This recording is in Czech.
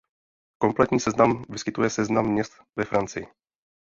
Kompletní seznam poskytuje seznam měst ve Francii.